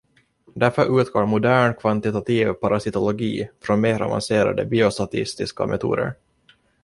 Därför utgår modern kvantitativ parasitologi från mer avancerade biostatistiska metoder.